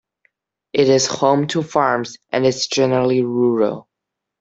It is home to farms and is generally rural.